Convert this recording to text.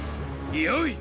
よい！